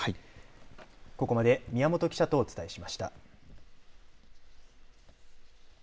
ここまで宮本記者とお伝えしました。